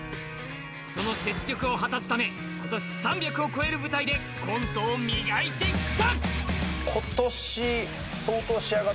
その雪辱を果たすため今年３００を超えるステージでコントを磨いてきた。